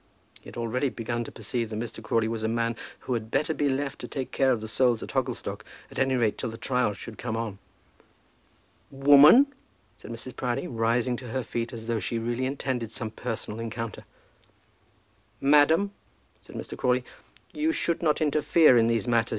He had already begun to perceive that Mr. Crawley was a man who had better be left to take care of the souls at Hogglestock, at any rate till the trial should come on. "Woman!" said Mrs. Proudie, rising to her feet as though she really intended some personal encounter. "Madam," said Mr. Crawley, "you should not interfere in these matters.